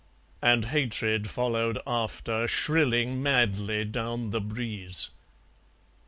And Hatred followed after, Shrilling madly down the breeze.